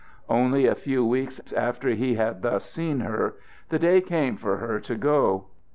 Only a few weeks after he had thus seen her the day came for her to go.